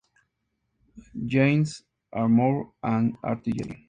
Jane's Armour and Artillery